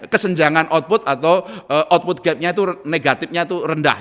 kesenjangan output atau output gap nya itu negatifnya itu rendah